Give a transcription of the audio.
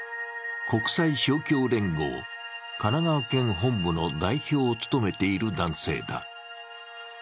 国際勝共連合神奈川県本部の代表を務めている男性だ。